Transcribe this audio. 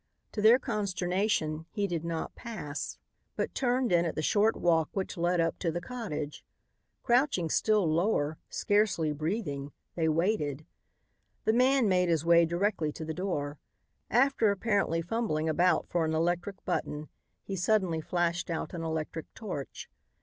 To their consternation, he did not pass but turned in at the short walk which led up to the cottage. Crouching still lower, scarcely breathing, they waited. The man made his way directly to the door. After apparently fumbling about for an electric button, he suddenly flashed out an electric torch.